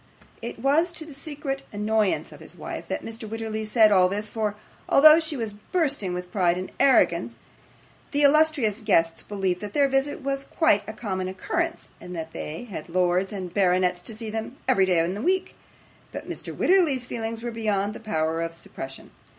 It was to the secret annoyance of his wife that Mr. Wititterly said all this, for, although she was bursting with pride and arrogance, she would have had the illustrious guests believe that their visit was quite a common occurrence, and that they had lords and baronets to see them every day in the week. But Mr. Wititterly's feelings were beyond the power of suppression.